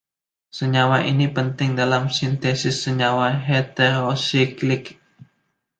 Senyawa ini penting dalam sintesis senyawa heterosiklik.